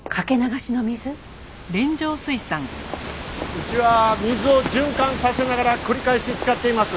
うちは水を循環させながら繰り返し使っています。